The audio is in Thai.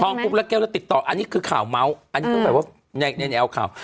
ปุ๊บแล้วแก้วแล้วติดต่ออันนี้คือข่าวเมาส์อันนี้ต้องแบบว่าในแนวข่าว